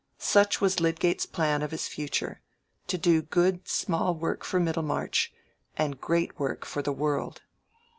Such was Lydgate's plan of his future: to do good small work for Middlemarch, and great work for the world.